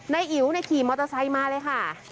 อิ๋วขี่มอเตอร์ไซค์มาเลยค่ะ